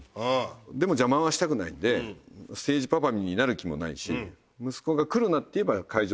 でも邪魔はしたくないんでステージパパになる気もないし息子が来るなって言えば会場へは行かない。